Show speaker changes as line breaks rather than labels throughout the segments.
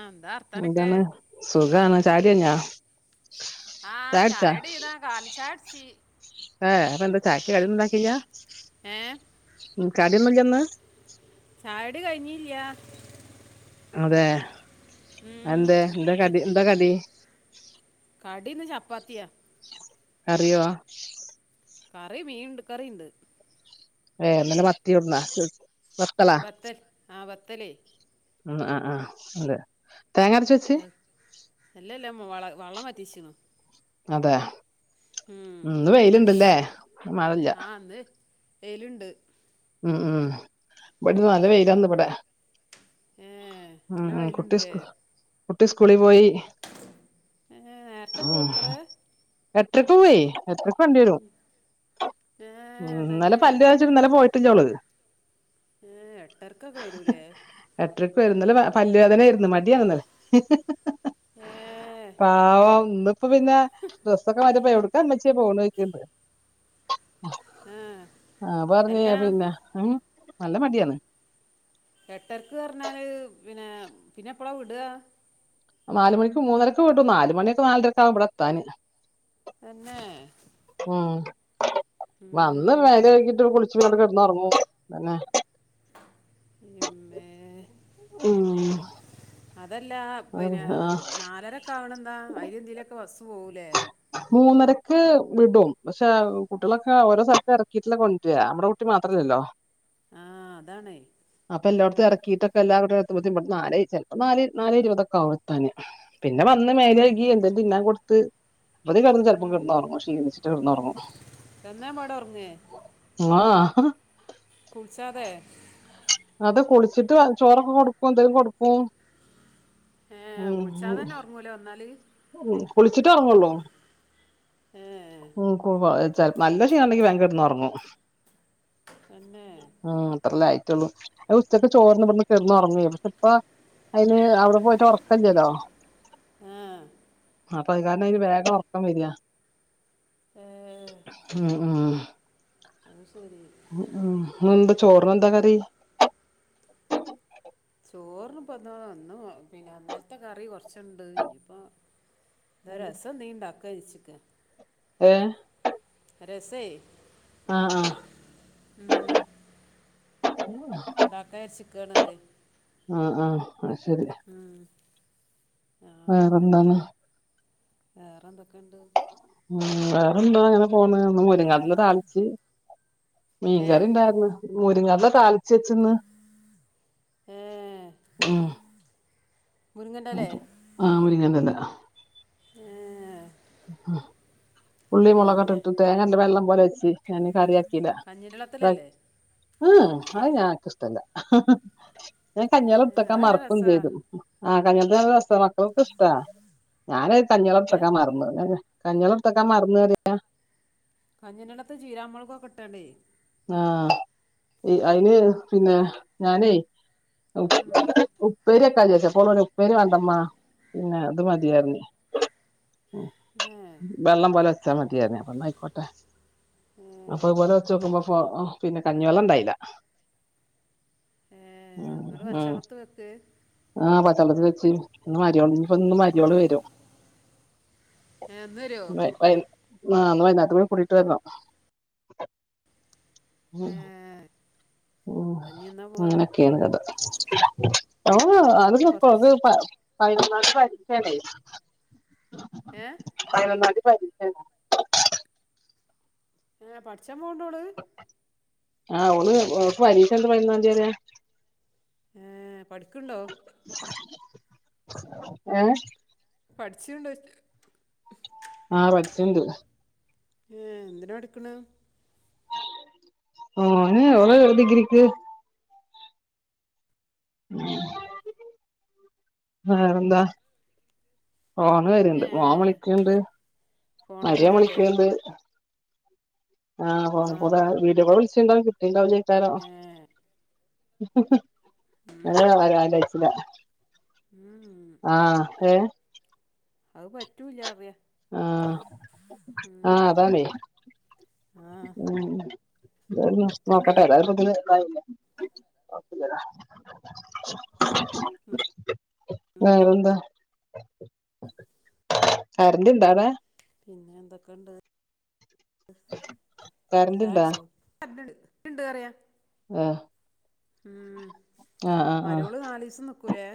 ആ, എന്താ അർത്താനൊക്കെ
എന്താണ് സുഖാണ് ചായ കുടി കഴിഞ്ഞോ
ആഹ് ചായടി ഇതാ കാലി ചായട്ച്ച്
ഏ് അപ്പൊ എന്താ ചായക്ക് കടിയൊന്നുണ്ടാക്കില്ല.
ഏ
കടിയൊന്നുല്ലന്ന്
ചായടി കഴിഞ്ഞില്ലാ
അതെ
ഉം,
എന്താ എന്താ
ഇജ്ജ്,
കടി എന്താ കടി
കടി ഇന്ന് ചപ്പാത്തിയാ
കറിയോ
കറി മീൻണ്ട് കറിണ്ട്
വേ ഇന്ന് ന്ന് മത്തിയൊട്ന്നോ
ബത്തൽ ആ ബത്തലെയ്
ഉം അഹ് ആഹ് അതെ തേങ്ങരച്ച
അല്ലല്ല മൊള വള്ളം മാറ്റേശുന്നു
അതെ ഉം ഇന്ന് വെയില്ണ്ട് ല്ലേ മഴല്ല
ആ അന്ന് വെയിലുണ്ട്
ഉം ഉം ഇവിടെ നല്ല വെയിലാരുന്നു ഇവിടെ
ഏ്
ഉം
നല്ല
ഉം കുട്ടി
വെയിലുണ്ടല്ലെ
സ്കൂ കുട്ടി സ്കൂളിൽ പോയി
ഏ നേരത്തെ
ആഹ്
പോത്രേ
എട്ടരയ്ക്ക് പോയി എട്ടരയ്ക്ക് വണ്ടി വരും
ഏ
ന്നലെ
തന്നെ
പല്ല് ഇന്നല പോയിട്ടില്ല അവള്
ഏഹ് എട്ടരക്കൊക്കെ വരൂല്ലേ
എടയ്ക്ക് വരുന്നല് ഇന്നലെ പല്ല് വേദനായിരുന്നു മടിയാരുന്ന്‌
ഏഹ്
പാവ ഇന്നിപ്പൊ പിന്ന ഡ്രസ്സൊക്കെ മാറ്റിപ്പ എവി ടെക്കാമ്മച്ചി പോണ ചോദിക്കുന്നുണ്ട്
ആ
ഞാൻ പറഞ്ഞ്
അല്ല
ഉ ഏഹ് നല്ല മടിയാണ്
എട്ടരക്ക് പറഞ്ഞാല് പിന്നെ പിന്നെ എപ്പളാ വിടുക
നാല് മണിക്ക് മൂന്നരക്ക് വിടും നാല് മണി നാലരക്ക ആവും ഇവ്ടെ എത്താന്
തന്നെ
ഉം വന്ന്
ഉം
മേല് കഴുകീട്ട് കുളിച്ച് കെ ടന്ന് ഉറങ്ങും പിന്നെ
എമ്മേ
ഉം
അതല്ല പിന്നെ നാലരക്കെ ആവണെന്താ അതിന് തിലൊക്കെ ബസ്സ് പോകൂലെ
മൂന്നരക്ക് വിടും പക്ഷേ കുട്ടികളൊക്കെ ഓരോ സ്ഥലത്ത് എറ ക്കീട്ടല്ലേ കൊണ്ട് വരാ നമ്മടെ കുട്ടി മാത്രല്ലല്ലോ
ആഹ് അതാണെ
അപ്പൊ എല്ലാടത്തും എറക്കിയിട്ടക്ക എല്ലാവടെ ബുദ്ധിമുട്ട നേ ചെലപ്പൊ നാ നാല് ഇരുപതൊക്കെ ആവും എ ത്താന് പിന്നെ വന്ന് മേലഴ്കി എന്തേലും തി ന്നാൻ കൊടുത്ത് അതി കെടന്ന് ചെലപ്പോം കെടന്നുറങ്ങും ക്ഷീണിച്ചിട്ട് കെടന്നുറങ്ങും
തിന്നേം പാട ഉറങ്ങേ
ഓഹ്
കുളിച്ചാതെ
അതെ കുളിച്ചിട്ട് ചോറൊക്കെ കൊടുക്കും എന്തെങ്കിലും കൊടുക്കും
ഏഹ് കുളിച്ചാതെ തന്നെ ഉറങ്ങുവ ല്ലേ വന്നാല്
ഉ കുളിച്ചിട്ടെ ഉറങ്ങുള്ളൂ
ഏഹ്
ചെൽ നല്ല ക്ഷീണണ്ടെങ്കിൽ വേഗം കെടന്ന്റങ്ങും
തന്നെ
ആഹ് അത്രല്ലേ ആയിട്ടുള്ളൂ ഉച്ചക്ക് ചോറിന്ന്‌ ഇവിടവന്ന് കെടന്നുറങ്ങും പക്ഷെ ഇപ്പ അതിന് അവിടെ പോയിട്ട് ഒറക്കം ഇല്ലല്ലൊ
ആഹ്
അപ്പൊ അത് കാരണം അതിന് വേഗം ഒറക്കം വരികാ
ഏഹ്
ഉം ഉം
അത് ശരി
ഉ എന്താ ചോറിന് എന്താ കറി
ചോറിന്പ്പന്താ ഒന്നും പിന്നെ ഇ ന്നലത്തെ കറി കൊറച്ചുണ്ട് ഇനിയിപ്പൊ രസം ന്തെങ്കിലുംണ്ടാക്ക ഉച്ചക്ക്
ഏഹ്
രസേ
ആഹ് ആ
ഊം. ണ്ടാക്കാര്ച്ചിക്കാണ്റയ
ആഹ് ആഹ് ആ ശരി
ആഹ്
വേറെന്താണ്?
വേറെന്തൊക്കെണ്ട്?
ഉം വേറെന്താ അങ്ങനെ പോണ് ഒന്ന് മുരിങ്ങന്റിലെ താളിച്ച്
ഏ
മീൻകറി ണ്ടാരുന്നു. മുരിങ്ങല താളിച്ച് വെച്ചിന്ന്
ഏഹ്
ഉം
മുരിങ്ങന്റലെ?
അപ്പൊ ആ മുരിങ്ങന്റെല
ഏ ഹ്‌
അഹ് ഉള്ളി മൊളകട്ട്ട്ട് തേങ്ങന്റെ വെള്ളം പോലെ വെച്ച് ഞാന് കറി ആക്കീല്ല
കഞ്ഞിൻ്റെ
[unintelligible]
വെള്ളത്തിലല്ലേ
ഉം ഉ അത് ഞാക്ക്ഷ്ടല്ല ഞാൻ കഞ്ഞി വെള്ളം
ഏ
ട്തക്കാൻ
അത് നല്ല
മറക്കും
രസാ
ചെയ്തു. ആഹ് [unintelligible] മക്കക്കു ഷ്ടാ ഞാന് കഞ്ഞി
ഏ
വെള്ളട്ത്തക്കാ മറന്നു. അതെ കഞ്ഞി വെള്ളെടുത്തെക്കാൻ മറന്നോയത് ന്നാ
കഞ്ഞിന്റള്ളത്ത് ചീരാമുളകൊക്കെട്ടേണ്ടേ
ആഹ് ഇ അയിന് പിന്ന
കുത്തി
ഞാനേ [inaudible] ഉപ്പേരി വെക്കാൻ ചോയ്ച്ചപ്പൊ [unintelligible] ഉപ്പേരി വേണ്ടമ്മ പിന്നെ ത് മതി അർഞ്ഞ്
ഏ
വെള്ളം പോലെ വെച്ചാ മതി അർഞ്ഞ് അപ്പ ന്നായ്ക്കോട്ടെ
ഏ
പ്പഉ പോലെ വെച്ചോക്കുമ്പോ പ്പൊ പിന്നെ കഞ്ഞിവെള്ള ണ്ടായില്ല
ഏഹ് വെറും പച്ചളളത്ത് വെക്ക്
ആഹ് പച്ചള്ളത്തില് വെച്ച് ന്ന് മരിയോള് ന്ന് പ്പം ന്ന് മരിയോള് വരും
ഏ എന്ന് വരുമോ
വൈ വൈ ആഹ് ന്ന് വൈന്നാരത്ത് കൂട്ടീട്ട് വരണം ഉം
ഏ
ഉം
കഞ്ഞി എന്നാ പോവാ
അങ്ങനൊക്കെയാണ് കഥ.
ഏ, കുറച്ച് ദിവസം
[unintelligible] പയിനൊന്നാം തി പരീക്ഷാണേ
ഏഹ്
പയിനൊന്നാം തി പരീക്ഷാണ്.
ഏഹ് പഠിച്ചാം പോണ് ണ്ടോള്?
ആഹ് ഓള് ഓക്ക് പരീക്ഷ ണ്ട് പയിനൊന്നാം തിയതി വരെ
ഏഹ് പഠിക്ക്ണ്ടോ?
ഏഹ്?
പഠിച്ച്ണ്ട്
ആഹ് പഠിച്ച്ണ്ട്.
ഏഹ് എന്തിനാ പഠിക്കണ?
ഓന് ഓള് ഡിഗ്രിക്ക്. [inaudible] വേറെന്താ? ഫോണ് വര്ണ്ട്
ഏ
മോൻ വിളിക്ക്ണ്ട്
ഫോണ്
മരോം
കൂടി ആവൂലേ
വിളിക്ക്ണ്ട് ആഹ്
ആ
[unintelligible] വീഡിയോ കാൾ വിളിച്ചണ്ടാവും കിട്ടിണ്ടാവില്ലിക്കാരോ
ഏ
ഞങ്ങള [unintelligible] യ്ചില
ഊം
ആഹ് കെ
അഹ് പറ്റൂല്ല അറിയ
ആഹ
ഉം
ആതാണ്
ആ
[unintelligible]
അറ്റൻഡ്
നോക്കട്ടെ
ചെയ്യ
ഏതായാലും ഇതിന് ഇതായില്ലേ വേറെ എന്താ അ
ഉം
കരണ്ട് ണ്ടാ അവിടെ
പിന്നെ എന്തൊക്കെണ്ട്
കരന്റ് ഇണ്ടാ
ചായട്ചോ [unintelligible] ണ്ട്‌പാറിയ
ഹെ
മം
ആഹ്
മരുമോള് നല് ദിവസം നിക്കൂലേ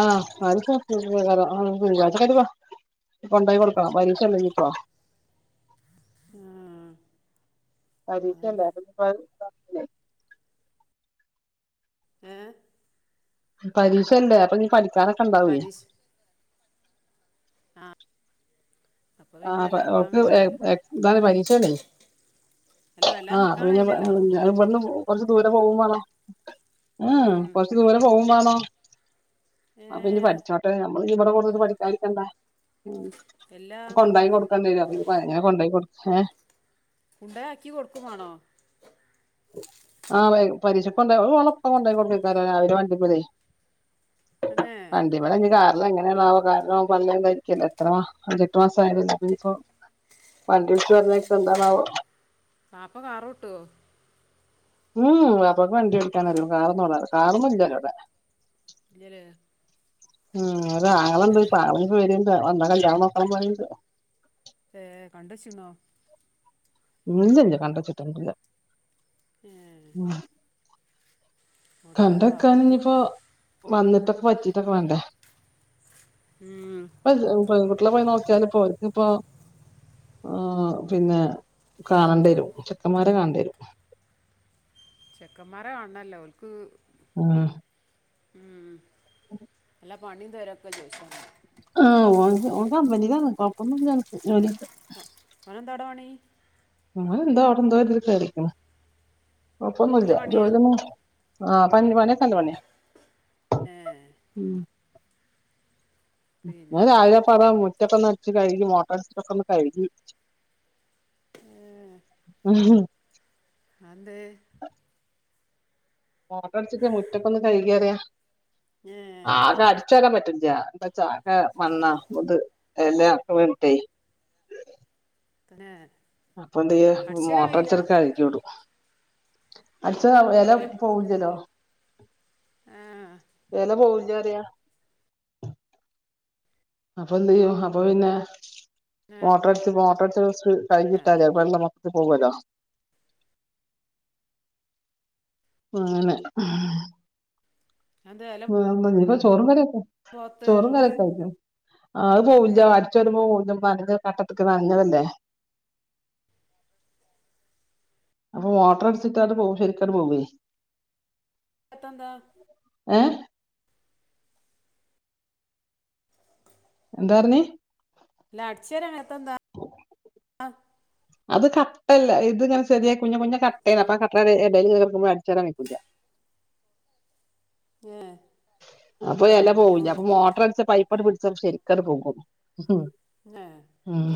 ആ [unintelligible] ഇനി കൊണ്ടായികൊടുക്കണം പരീക്ഷല്ലേ ഇന്നിപ്പോ
ആഹ്
പരീക്ഷല്ല അത്പ്പ [unintelligible]
ഏ
പരീക്ഷല്ലേ അപ്പൊ ഇന്നി പഠിക്കാനൊക്കെ ഉണ്ടാവേ
പരീക്ഷ ആഹ
ആ പ ഓൾക്ക് ഹെ ഹെ ഇതാണ് പരീക്ഷന്ന്
അല്ല വല്ലാ
ആഹ അപ്പ
നിക്കാൻ കഴിയില്ലല്ലോ
പിന്നെവിടെല്ല ഇവിടുന്ന് കൊറച്ച് ദൂരെ പോകുവും വാണം ഹ് ഹ്
ഉം
കുറച്ച് ദൂരെ പോവും വണം
ഏ
അപ്പന്നി പഠിചോട്ടേ പ്പ നമ്മൾ ഇവിടെ കൊടുന്നിട്ട് പഠിക്കാതിരിക്കണ്ട
എല്ലാ
കൊണ്ടായി കൊടുക്കണ്ടരും അപ്പന്നി അദന്നെ കൊണ്ടാക്കി കൊടു ഹെ
കോണ്ടയി ആക്കി കൊടുക്കും വാണോ
ആ് വെ പരീക്ഷിക്കണ്ടായി അഹ് ഓളെപ്പ കൊണ്ടാക്കി കൊടുക്കയിക്കാരും രാവിലെ വണ്ടിമല്
പിന്നെ
അതെ ഇവിടെ ന്നി കാരണം എങ്ങനെയാവോ കാരണം പളേണ്ടായിരിക്കല്ല എത്ര അൻഎട്ട് മാസഅയതല്ലേ അപ്പോന്നിപ്പോ വണ്ടി വിളിച്ചു പറഞ്ഞൊക്കെ എന്താണാവോ
വാപ്പ കാറ് ഓട്ടേ
ഉംഹ് വാപ്പക്ക് വണ്ടി ഓടിക്കാനരിള്ളൂ കാറൊന്നും, ഓടാൻനറി കാറന്നും ഇല്ല ഓലോടെ
ഇല്ലല്ലേ
ഉം ഒരാങ്ങണ്ട്‌ ഒരു പാവൻ ഇപ്പ വരുണ്ട് വന്ന കല്യാണം നോക്കണം പരിണ്ട്
ഏ കണ്ട്‌ വെച്ചിന്നോ
ഇല്ല ഇല്ല കണ്ട് വെച്ചട്ടൊന്നുല്ല
ഹെ
കന്ക്കാൻ
പാകത്ത്
ഇനിയിപ്പോ വന്നിട്ടൊക്കെ പറ്റീട്ടൊക്കെ വണ്ടേ
ഉം
പ്പ പെൺ കുട്ടിളെ പോയി നോക്കിയാൽ ഇപ്പോ ഒൽക്ക് ഇപ്പോ ആ പിന്നെ കാണേണ്ടി വരും ചെക്കന്മാരെ കാണേണ്ടി വരും
ചെക്കന്മാര കാണണല്ലോ ഒൽക്ക്
ഉം
ഉം പ്പ പണി തരൊക്കെ ചോയ്ചറിം
ആഹ് ഓന്ക് ഓൻ കമ്പനിയില നിക്ക്ന്ന് കൊഴപ്പന്നുല്ല ഓന്ക് ജോലിക്കെ
ഓനെന്താടാ അവിടെ പണി
ഓനൊന്തോ അവിടെ എന്തോ ഒരിതില് കേറീക്കുണു
നല്ല
കൊഴപ്പൊന്നുല്ല
പണിയാ
ജോലിയൊന്നും ആഹ് പ്പ ങ്ങനെ പണിയൊക്കെ നല്ല പണിയാ
ഏഹ്
ഉം ഞാൻ
പിന്നെ
രാവിലെ ഇപ്പാടെ മുറ്റൊക്കെ ഒന്ന് അട്ച്ച് കഴുകി മോട്ടറടിച്ചിട്ടൊക്കെ ഒന്ന് കഴ്കി. ങ് ഹ്
ആന്തേ?
മോട്ടറടിച്ചിട്ട് മുറ്റൊക്കെ ഒന്ന് കഴികിറിയ
ഏ
ആകെ അട് ച്ചെരാൻ പറ്റ്ണ്ല്ല ന്താച്ചാകെ മണ്ണാ ഇത് എല വീണിട്ടേ
തന്നേ
അപ്പ എന്ത ചെയ്യാ മോട്ടോറടിച്ചാണ്ട് കഴുകി വിടും പക്ഷേ വെല
ഇല്ല
പോവില്ലല്ലോ
ആ
വെല പോവുല്ലാറിയാ അപ്പ എന്ത് ചെയ്യും അപ്പ പിന്നെ മോട്ടാറടിച്ച് മോട്ടറടിച്ച് സ് കഴിഞ്ഞിട്ടാ മതി അപ്പ ആടെള്ളെ മൊത്തത്തി പോവല്ലോ അങ്ങനെ
ആന്തേ എല
ആഹ് ഇണ്ട് ഇഞ്ഞിപ്പോ ചോറും കറിയൊക്കെ ചോറും കറിയൊക്കെ ആയിക്ക്ണ് ആഹ് അത് പോവുല്ല അടിച്ച് വാരുമ്പോ കൂടുതലും പ്പലത് കട്ടെത്ത്ക്ക്ണെ അങ്ങനെല്ലേ അപ്പൊ മൊട്ടറടിച്ചിട്ടാൽ അത് പോവും ശെരിക്കാണ്ട് പോവേ
പത്തെന്താ?
ഏഹ്?
[inaudible]
എന്താ പറഞ്ഞെ?
എല്ലാ അടിച്ച് വെരാൻ നേരത്ത് എന്താ ആഹ്
അത് കട്ടല്ല ഇത് ഇങ്ങനെ ചെറിയ കുഞ്ഞ കുഞ്ഞ കട്ടേണ്. അപ്പൊ കട്ടടെ എടെല് ഇങ്ങനെ നിക്കുമ്പോ അടിച്ച് വെരാൻ വെയ്ക്കൂലാ.
ഏഹ്
അപ്പൊ എല പോവൂല്ല അപ്പൊ മോട്ടർ അടിച്ചാ പൈപ്പാണ്ട് പിടിച്ചാ ശെരിക്കങ്ങട്ട് പോകും.
പിന്നെ
ഉം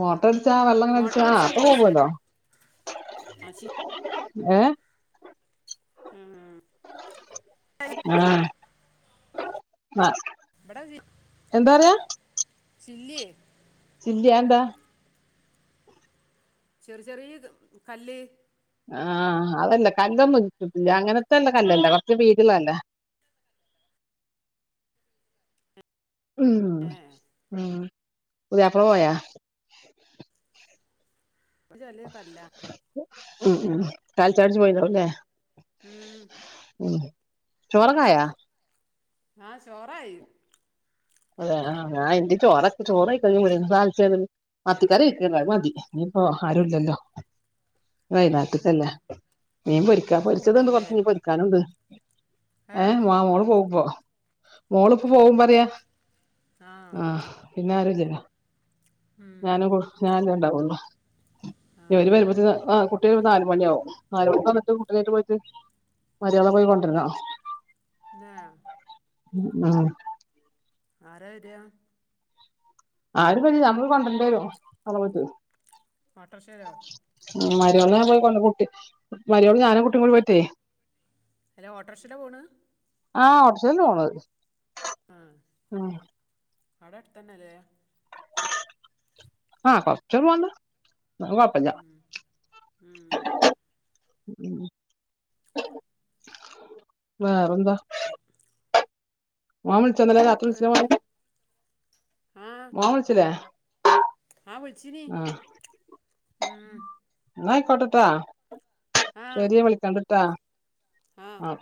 മോട്ടറടിച്ചാ വെള്ളെങ്ങ്
മോട്ടർ
അടിച്ചാ ആപ്പ
പോയിച്ചാ
പോകുവല്ലോ
ആ ശരി
ഏഹ്
ഉം ഉം
ആഹ് ആഹ്
ഇബടെ ചിൽ ചില്ലിയേ.
ചില്ലിയായെന്താ?
ചെറു ചെറീ കല്ല്
ആഹ് ആ കല്ലൊ കല്ലമ്മക്ക് കിട്ടില്ല അങ്ങനെത്തെല്ല കല്ലല്ല കൊറെച്ച് വീതിയുള്ള കല്ലാ. ഉം
ഏ
ഉം പുതിയാപ്പിള പോയാ?
ഇത് ചെലിയക്കല്ലാ.
ഉം ഉം കാലി ചായ കുടിച്ച്
ഉം
പോയതാവുലേ
ഉം
ഉം ചോറൊക്കെയായോ?
ആഹ് ചോറായി.
അതെ ആഹ് ഞാൻ ഇന്റിം ചോറെ ചോറ് ആയിക്ക്ണ് ഇഞ്ഞി മുരിങ്ങ തളിച്ചാണ് മത്തിക്കറി ഇക്കൊണ്ട്. അത് മതി. ഇനിപ്പോ ആരുല്ലല്ലോ.
ആ
വയനാട്ട്ക്കല്ലേ. മീൻ പൊരിക്കാ.
മോളും
പൊരിച്ചതൊണ്ട്.
ഉണ്ടാവൂലേ
കൊറെച്ച് മീൻ പൊരിക്കാനൊണ്ട്.
ഏ
ഏഹ് മാ മോള് പോഉമ്പോ. മോളിപ്പോ
ആ
പോകു പറയാ.
ആ
ആഹ് പിന്നെയാരോ ചെല്ലാ.
ഉം
ഞാനും കു ഞാനല്ലേ ണ്ടാവുള്ളോ
ആ
ഇവര് വരുമ്പോത്തിന് ആഹ് കൊ കുട്ടിള് വെരുമ്പം നാല് മണിയാവും. നാല് മണി വന്നിട്ട് കുട്ടിലേട്ട് പോയിട്ട്. മര്യാദ പ പോയി കൊണ്ടുവെരണം.
ന്നേ
ആഹ്
ആരാ വെരാ
ആരും വരൂല ഞമ്മള് കൊണ്ടർണ്ടെരും അടെ പോയിട്ട്
ഓട്ടർഷേലൊ
ഉം മരോളാ പോയി കൊണ്ടർല് കൂട്ട്യെ മരോളും ഞാനും കുട്ടിം കൂടി പോയിറ്റെയ്
ഹലോ ഓട്ടർഷേലാ പോണ്
ആഹ് ഓട്ടർഷേലെന്നാ പോണത്
ആഹ് അടെ അട്ത്തന്നെ ലേ
ആഹ് കൊർച് പോവാണ്ട് അത് കൊഴപ്പല്യ
ഉം ഉം
വേറെന്താ
[inaudible]
മോൻ വിൾച്ചൊ ഇന്നലെ രാത്രി
ഇപ്പ
വിൾച്ചിലെ
ഉണ്ട്
മോന് മോൻ വിൾച്ചിലെ
ആഹ് വിൾച്ചീനി ഉം
എന്നയിക്കോട്ടട്ടൊ
ആ
ശെരി ഞാൻ വിളിക്കണ്ട്ട്ടാ
ആ
ആഹ്